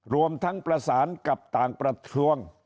รวมทั้งประสานกับต่างประเทศ